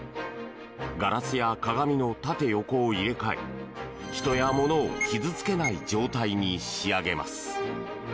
ガラスや鏡の縦横を入れ替え人やものを傷付けない状態に仕上げます。